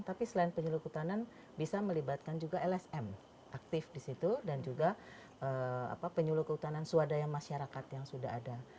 tapi selain penyuluh kehutanan bisa melibatkan juga lsm aktif di situ dan juga penyuluh kehutanan swadaya masyarakat yang sudah ada